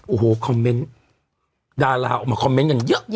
โอ้โหคอมเมนต์ดาราออกมาคอมเมนต์กันเยอะ